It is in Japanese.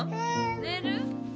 寝る？